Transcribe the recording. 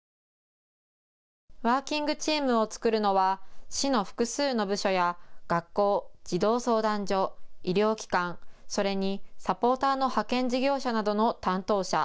ワーキングチームを作るのは市の複数の部署や学校、児童相談所、医療機関、それにサポーターの派遣事業者などの担当者。